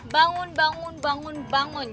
bangun bangun bangun bangun